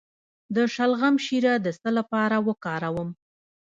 د شلغم شیره د څه لپاره وکاروم؟